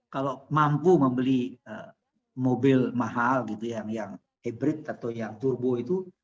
kalau mampu membeli mobil mahal gitu yang hybrid atau yang turbo itu